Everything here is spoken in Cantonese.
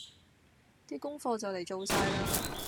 的功課就嚟做晒喇